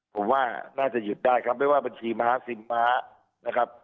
ผมว่าน่าจะหยุดได้ครับไม่ว่าบัญชีม้าซิมม้านะครับ